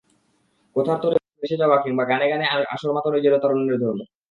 কথার তোড়ে ভেসে যাওয়া কিংবা গানে গানে আসর মাতানোই যেন তারুণ্যের ধর্ম।